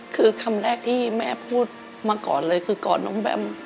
คือคำแรกที่แม่พูดมาก่อนเลยคือกอดน้องแบม